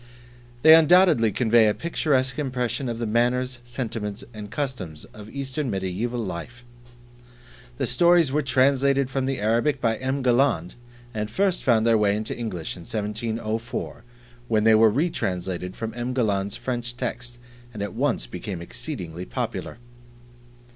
They undoubtedly convey a picturesque impression of the manners, sentiments, and customs of Eastern Mediaeval Life. The stories were translated from the Arabic by M. Galland and first found their way into English in 1704, when they were retranslated from M. Galland's French text and at once became exceedingly popular.